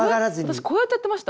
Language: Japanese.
私こうやってやってました。